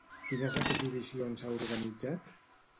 Quines exhibicions ha organitzat?